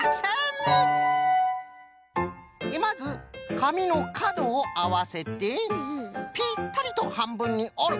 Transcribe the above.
まずかみのかどをあわせてぴったりとはんぶんにおる！